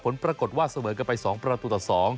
ผลปรากฏว่าเสมอกันไป๒ประตูต่อ๒